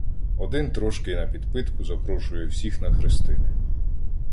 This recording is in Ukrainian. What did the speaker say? Один, трошки напідпитку, запрошує всіх на хрестини.